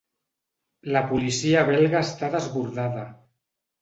La policia belga està desbordada.